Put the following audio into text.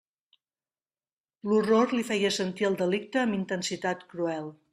L'horror li feia sentir el delicte amb intensitat cruel.